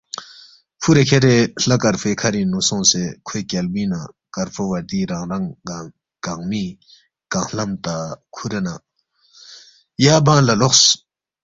فُورے کھیرے ہلا کرفوے کَھرِنگ نُو سونگسے کھوے کیالبوینگنہ کارفو وردی رنگ رنگ کنگمی کنگ ہلم تک کھُورے نہ یا بنگ لہ لوقس